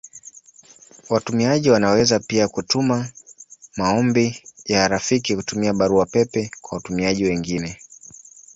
Watumiaji wanaweza pia kutuma maombi ya rafiki kutumia Barua pepe kwa watumiaji wengine.